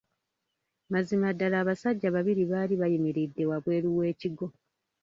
Mazima ddala abasajja babiri baali bayimiridde wabweru w'ekigo.